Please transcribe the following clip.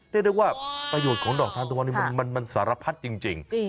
ได้ได้ว่าประโยชน์ของดอกทางตะวันมันสารพัดจริง